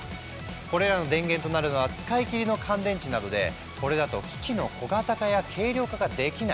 これらの電源となるのは使い切りの乾電池などでこれだと機器の小型化や軽量化ができない。